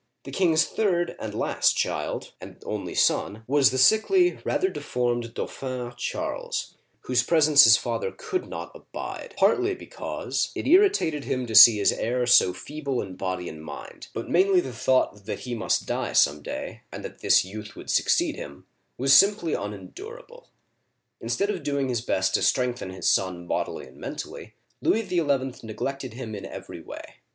The king's third and last child, and only son, was the sickly, rather deformed Dauphin Charles, whose presence his father could not abide, partly because it irritated him to see his heir so feeble in body and mind, but mainly because the thought that he must die some day, and that this youth would succeed him, was simply unen durable. Instead of doing his best to strengthen his son bodily and mentally, Louis XL neglected him in every way.